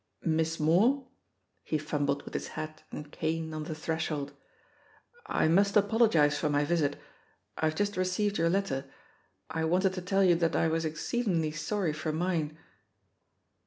"Miss Moore?" He fumbled with his hat and cane on the threshold. "I must apologise for my visit, I Ve just received your letter. I wanted to tell you that I was exceedingly sorry for mine."